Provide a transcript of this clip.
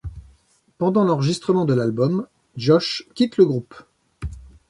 Pendant l'enregistrement de l'album, Josh quitte le groupe.